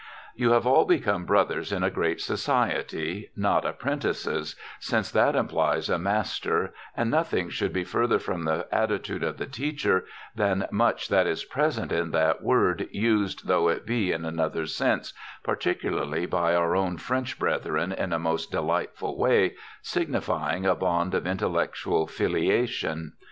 You have all become brothers in a great society, not apprentices, since that implies a master, and nothing should be further from the attitude of the teacher than much that is meant in that word, used though it be in another sense, particularly by our French brethren in a most delightful way, signifying a bond of intellectual filiation.